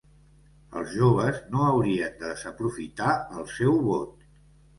Els joves no haurien de desaprofitar el seu vot.